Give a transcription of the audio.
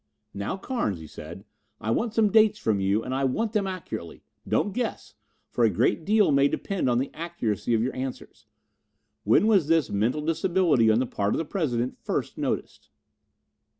"Now, Carnes," he said, "I want some dates from you and I want them accurately. Don't guess, for a great deal may depend on the accuracy of your answers. When was this mental disability on the part of the President first noticed?"